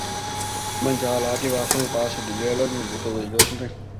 曼加拉蒂巴是巴西里约热内卢州的一个市镇。